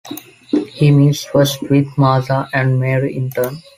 He meets first with Martha and Mary in turn.